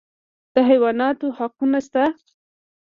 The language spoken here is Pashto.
د حیواناتو حقونه شته